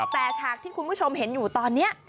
แต่ฉากที่คุณผู้ชมเห็นอยู่ตอนนี้